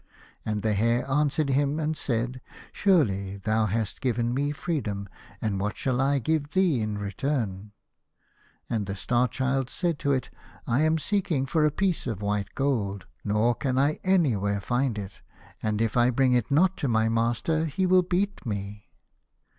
And the Hare answered him, and said :" Surely thou hast given me freedom, and what shall I give thee in return ?" And the Star Child said to it, " I am seeking for a piece of white gold, nor can I anywhere find it, and if I bring it not to my master he will beat me."